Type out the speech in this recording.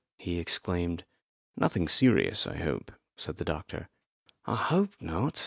he exclaimed. "Nothing serious, I hope," said the doctor. "I hope not.